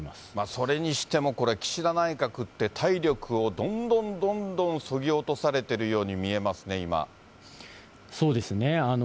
それにしてもこれ、岸田内閣って体力をどんどんどんどんそぎ落とされてるように見えそうですね。